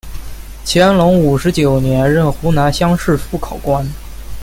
乾隆五十九年任湖南乡试副考官。